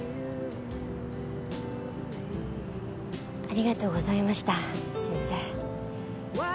ありがとうございました先生。